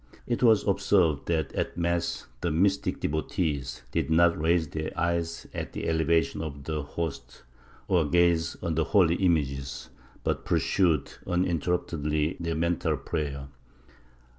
It was observed that at mass the mystic devotees did not raise their eyes at the elevation of the Host or gaze on the holy images, but pursued uninterruptedly their mental prayer.